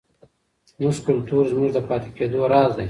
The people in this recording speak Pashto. زموږ کلتور زموږ د پاتې کېدو راز دی.